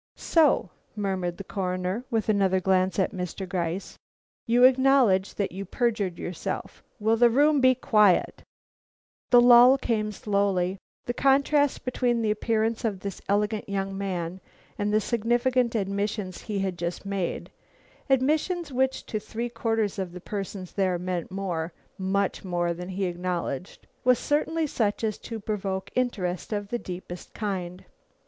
"So," murmured the Coroner, with another glance at Mr. Gryce, "you acknowledge that you perjured yourself. Will the room be quiet!" But the lull came slowly. The contrast between the appearance of this elegant young man and the significant admissions he had just made (admissions which to three quarters of the persons there meant more, much more, than he acknowledged), was certainly such as to provoke interest of the deepest kind.